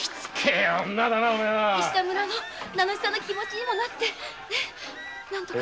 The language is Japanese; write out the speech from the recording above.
石田村の名主さんの気持ちにもなって何とか。